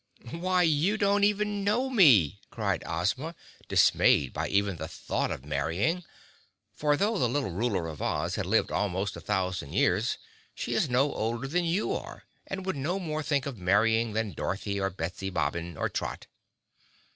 "Why, you don't even know me," cried Ozma, dismayed by even the thought of marrying; for though the little Ruler of Oz has lived almost a thousand years she is no older than you are and would no more think of marrying than Dorothy or Betsy Bobbin or Trot.